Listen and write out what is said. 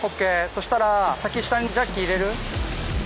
そしたら先下にジャッキ入れる？